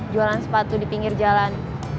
jualan sepatu di pinggir jalan